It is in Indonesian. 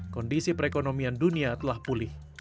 kondisi perekonomian dunia telah pulih